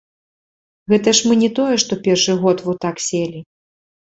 Гэта ж мы не тое што першы год во так селі.